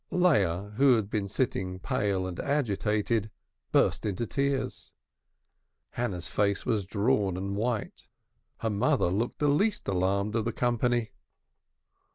Leah, who had been sitting pale and agitated, burst into tears. Hannah's face was drawn and white. Her mother looked the least alarmed of the company.